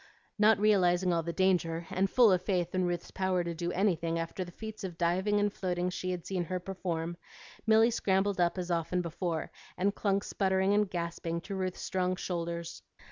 Not realizing all the danger, and full of faith in Ruth's power to do anything, after the feats of diving and floating she had seen her perform, Milly scrambled up as often before, and clung spluttering and gasping to Ruth's strong shoulders.